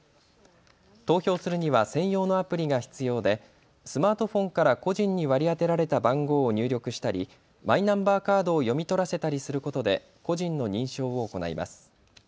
投票するには専用のアプリが必要でスマートフォンから個人に割り当てられた番号を入力したりマイナンバーカードを読み取らせたりすることで個人の認証を行います。